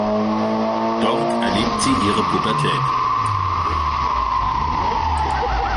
Dort erlebt sie ihre Pubertät.